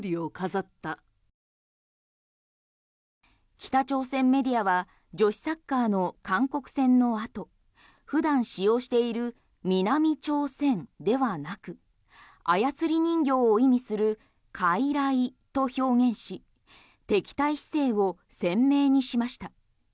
北朝鮮メディアは女子サッカーの韓国戦の後普段使用している南朝鮮ではなく操り人形を意味するかいらいと表現し敵対姿勢を鮮明にしました。